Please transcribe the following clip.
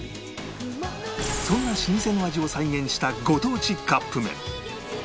そんな老舗の味を再現したご当地カップ麺